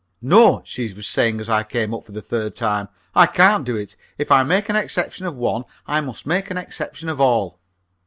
"No," she was saying as I came up for the third time; "I can't do it. If I make an exception of one I must make an exception of all."